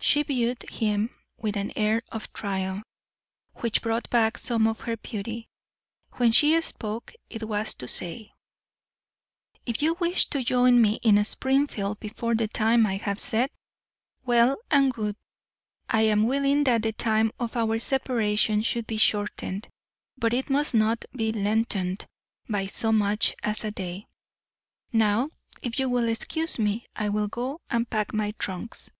She viewed him with an air of triumph, which brought back some of her beauty. When she spoke it was to say: "If you wish to join me in Springfield before the time I have set, well and good. I am willing that the time of our separation should be shortened, but it must not be lengthened by so much as a day. Now, if you will excuse me, I will go and pack my trunks."